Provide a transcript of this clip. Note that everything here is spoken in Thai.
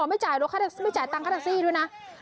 มาไอ้ตีด้วย